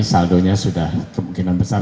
saldonya sudah kemungkinan besar